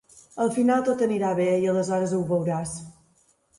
Al final tot anirà bé, i aleshores ho veuràs.